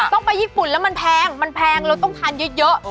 ต้องไปญี่ปุ่นแล้วมันแพงมันแพงเราต้องทานเยอะ